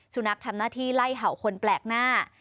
สุนัขทำหน้าที่ไล่เห่าคนแปลกหน้า